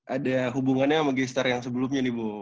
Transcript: ada hubungannya sama gaster yang sebelumnya nih bu